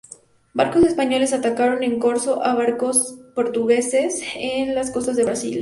Barcos españoles atacaron en corso a barcos portugueses en las costas del Brasil.